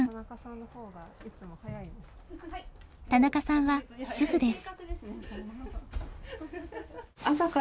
田中さんは主婦です。